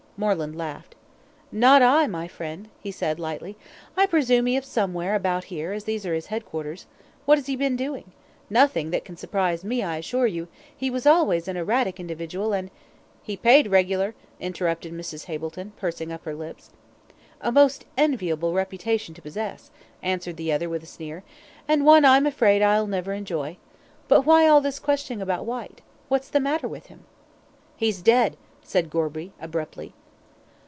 Moreland laughed. "Not I, my friend," said he, lightly. "I presume he is somewhere about here, as these are his head quarters. What has he been doing? Nothing that can surprise me, I assure you he was always an erratic individual, and " "He paid reg'ler," interrupted Mrs. Hableton, pursing up her lips. "A most enviable reputation to possess," answered the other with a sneer, "and one I'm afraid I'll never enjoy. But why all this questioning about Whyte? What's the matter with him?" "He's dead!" said Gorby, abruptly.